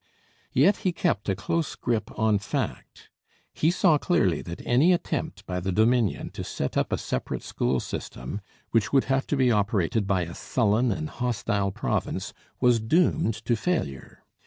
Yet he kept a close grip on fact. He saw clearly that any attempt by the Dominion to set up a separate school system, which would have to be operated by a sullen and hostile province, was doomed to failure.